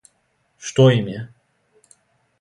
Што им је?